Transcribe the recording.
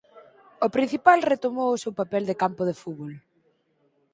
O principal retomou o seu papel de campo de fútbol.